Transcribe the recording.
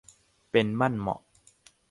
เป็นมั่นเหมาะ